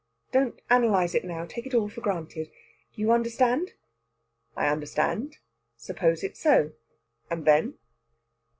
Don't analyse it now; take it all for granted you understand?" "I understand. Suppose it so! And then?"